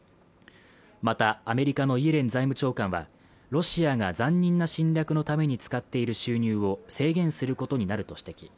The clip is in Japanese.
またアメリカのイエレン財務長官はロシアが残忍な侵略のために使っている収入を制限することになると指摘